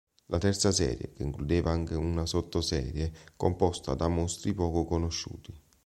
La terza serie, che includeva anche una sotto-serie composta da mostri poco conosciuti.